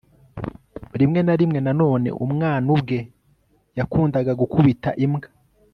rimwe na rimwe, nanone, umwana ubwe yakundaga gukubita imbwa